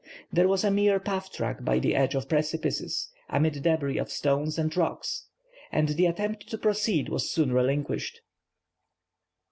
There was a mere path track by the edge of precipices, amid débris of stones and rocks; and the attempt to proceed was soon relinquished.